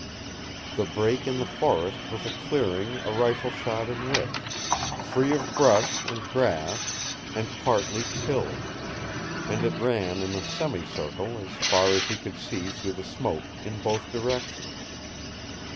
The break in the forest was a clearing a rifle shot in width, free of brush and grass, and partly tilled; and it ran in a semi circle as far as he could see through the smoke in both directions.